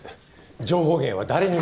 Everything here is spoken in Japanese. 情報源は誰にも